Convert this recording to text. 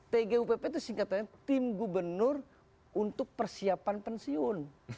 tgupp itu singkatannya tim gubernur untuk persiapan pensiun